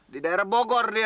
di daerah bogor dia